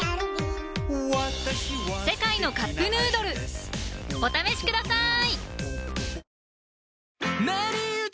「世界のカップヌードル」お試しください！